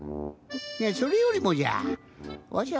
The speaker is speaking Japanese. それよりもじゃわしゃ